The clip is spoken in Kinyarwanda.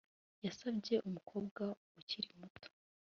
Yasabye umukobwa ukiri muto